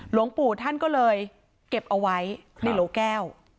หลวงปู่ท่านก็เลยเก็บเอาไว้ในโหลแก้ว